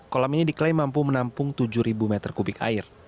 kolam ini diklaim mampu menampung tujuh meter kubik air